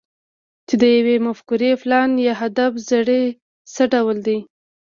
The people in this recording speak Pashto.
چې د يوې مفکورې، پلان، يا هدف زړی څه ډول دی؟